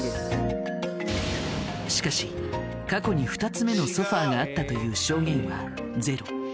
しかし過去に２つ目のソファがあったという証言はゼロ。